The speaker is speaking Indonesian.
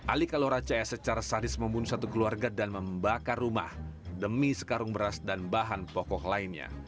ali kalora cs secara sadis membunuh satu keluarga dan membakar rumah demi sekarung beras dan bahan pokok lainnya